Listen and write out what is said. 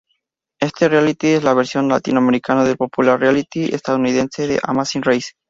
Este reality es la versión latinoamericana del popular reality estadounidense The Amazing Race.